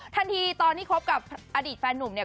ทันทีตอนที่คบกับอดีตแฟนหนุ่มเนี่ย